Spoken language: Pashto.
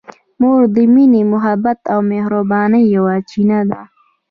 مور د مینې، محبت او مهربانۍ یوه چینه ده.